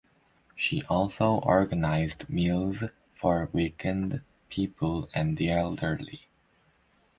She also organized meals for weakened people and the elderly.